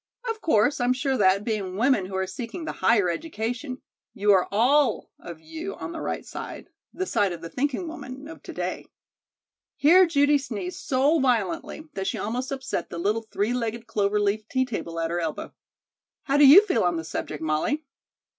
Of course, I'm sure that, being women who are seeking the higher education, you are all of you on the right side the side of the thinking woman of to day " Here Judy sneezed so violently that she almost upset the little three legged clover leaf tea table at her elbow. "How do you feel on the subject, Molly?"